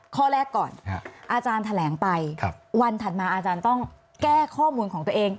ข้อแรกก่อนอาจารย์แถลงไปวันถัดมาอาจารย์ต้องแก้ข้อมูลของตัวเอง